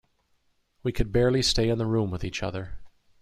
We could barely stay in the room with each other.